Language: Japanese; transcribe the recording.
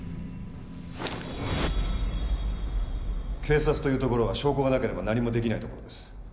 警察というところは証拠がなければ何も出来ないところです。